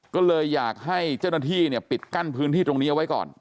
ก็เลยอยากให้เจ้าหน้าที่ปิดกั้นพื้นที่ตรงนี้เอาไว้ก่อน